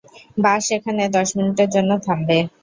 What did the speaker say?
বাস এখানে দশ মিনিটের জন্য থামবে।